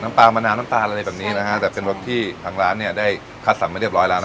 ปลามะนาวน้ำตาลอะไรแบบนี้นะฮะแต่เป็นรสที่ทางร้านเนี่ยได้คัดสรรมาเรียบร้อยแล้วนะ